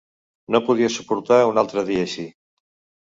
No podia suportar un altre dia així.